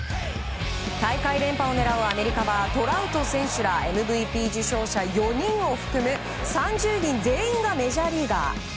大会連覇を狙うアメリカはトラウト選手らＭＶＰ受賞者４人を含む３０人全員がメジャーリーガー。